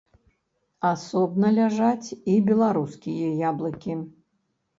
Асобна ляжаць і беларускія яблыкі.